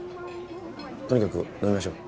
とにかく飲みましょう。